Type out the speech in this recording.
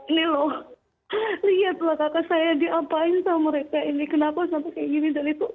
ini loh lihat lah kakak saya diapain sama mereka ini kenapa sampai kayak gini